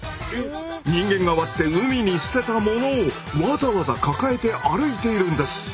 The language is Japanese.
人間が割って海に捨てたものをわざわざ抱えて歩いているんです。